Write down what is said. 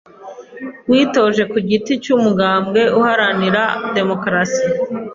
uwitoje ku giti c'umugambwe w'abaharanira Demokarasi